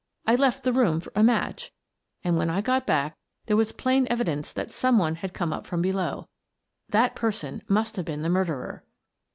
I left the room for a match, and when I got back there was plain evidence that some one had come up from below. That person must have been the murderer."